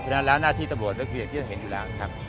เพราะฉะนั้นแล้วหน้าที่ตำรวจเรื่องที่จะเห็นอยู่ล่ะครับ